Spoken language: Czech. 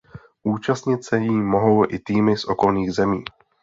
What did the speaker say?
Účastnit se jí mohou i týmy z okolních zemí.